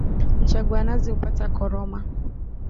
Mchagua nazi hupata koroma